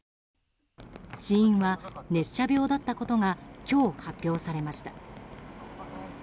死因は熱射病だったことが今日、発表されました。